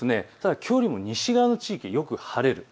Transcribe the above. きょうよりも西側の地域でよく晴れる。